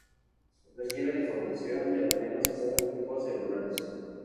Reciben información de al menos cuatro tipos celulares.